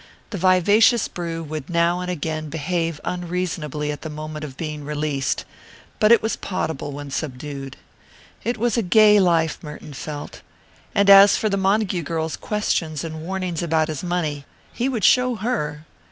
The vivacious brew would now and again behave unreasonably at the moment of being released, but it was potable when subdued. It was a gay life, Merton felt. And as for the Montague girl's questions and warnings about his money, he would show her!